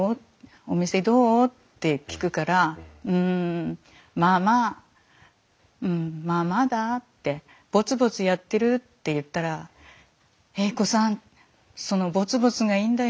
お店どう？」って聞くから「うんまあまあうんまあまあだ」って「ぼつぼつやってる」って言ったら「栄子さんそのぼつぼつがいいんだよ。